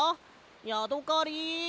ヤドカリ！